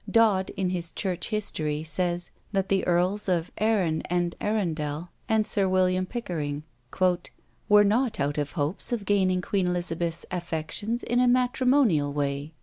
Dodd, in his Church History, says, that the Earls of Arran and Arundel, and Sir William Pickering, "were not out of hopes of gaining Queen Elizabeth's affections in a matrimonial way."